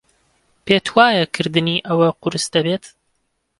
پێت وایە کردنی ئەوە قورس دەبێت؟